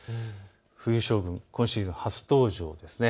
冬将軍、今シーズン初登場ですね。